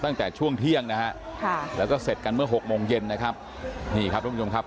ตั้งแต่เชียงช่วงเที่ยงนะฮะแล้วก็เสร็จกันเมื่อ๖โมงเด็จนะครับ